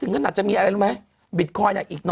อึกอึกอึกอึก